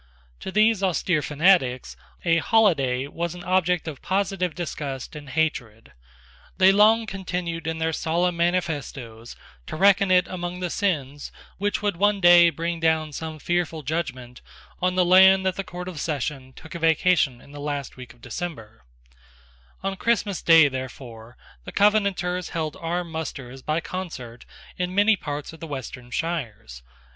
To these austere fanatics a holiday was an object of positive disgust and hatred. They long continued in their solemn manifestoes to reckon it among the sins which would one day bring down some fearful judgment on the land that the Court of Session took a vacation in the last week of December, On Christmas day, therefore, the Covenanters held armed musters by concert in many parts of the western shires.